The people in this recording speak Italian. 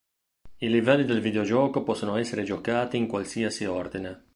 I livelli del videogioco possono essere giocati in qualsiasi ordine.